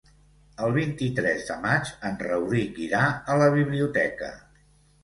El vint-i-tres de maig en Rauric irà a la biblioteca.